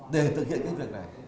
để thực hiện cái việc này